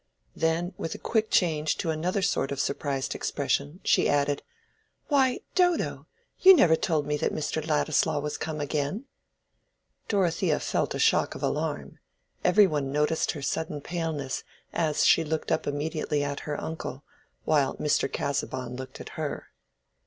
Then with a quick change to another sort of surprised expression, she added, "Why, Dodo, you never told me that Mr. Ladislaw was come again!" Dorothea felt a shock of alarm: every one noticed her sudden paleness as she looked up immediately at her uncle, while Mr. Casaubon looked at her.